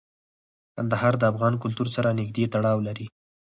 کندهار د افغان کلتور سره نږدې تړاو لري.